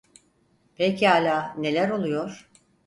Pekâlâ, neler oluyor?